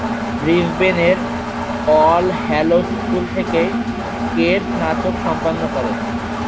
ব্রিসবেনের All Hallows School থেকেই কের স্নাতক সম্পন্ন করেন।